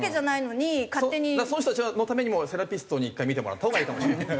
その人たちのためにもセラピストに１回診てもらったほうがいいかもしれない。